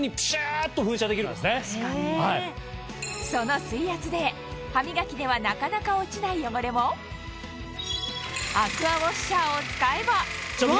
その水圧で歯磨きではなかなか落ちない汚れもアクアウォッシャーを使えばお！